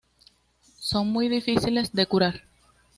Son muy difíciles de curar.